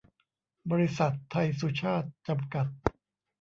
บริษัท ไทยสุชาต จำกัด